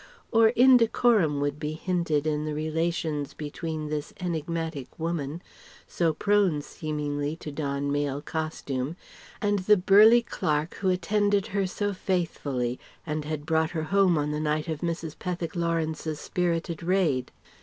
Or indecorum would be hinted in the relations between this enigmatic woman, so prone seemingly to don male costume, and the burly clerk who attended her so faithfully and had brought her home on the night of Mrs. Pethick Lawrence's spirited raid.